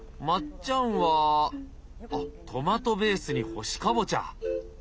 まっちゃんはあっトマトベースに干しカボチャ。